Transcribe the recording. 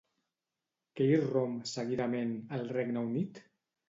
Què irromp, seguidament, al Regne Unit?